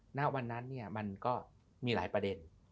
ณวันนั้นมันก็มีหลายประเด็น